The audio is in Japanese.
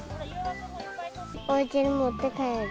おうちに持って帰る。